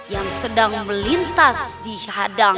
yang sedang melintas di hadang